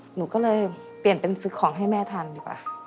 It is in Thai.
หนูก็เลยเปลี่ยนเป็นซื้อของให้แม่ทานดีกว่า